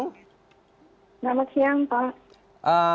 selamat siang pak